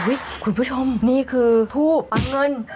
คุณผู้ชมนี่คือทูบอังเงิน